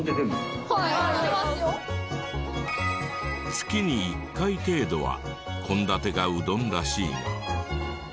月に１回程度は献立がうどんらしいが。